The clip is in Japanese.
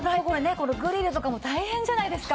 このグリルとかも大変じゃないですか。